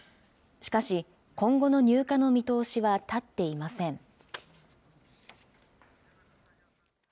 しかし、今後の入荷の見通しは立っていません。